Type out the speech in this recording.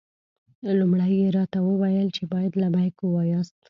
لومړی یې راته وویل چې باید لبیک ووایاست.